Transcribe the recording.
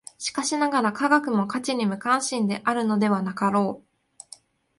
しかしながら、科学も価値に無関心であるのではなかろう。